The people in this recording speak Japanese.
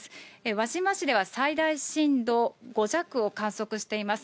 輪島市では最大震度５弱を観測しています。